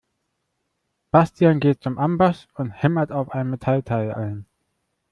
Bastian geht zum Amboss und hämmert auf ein Metallteil ein.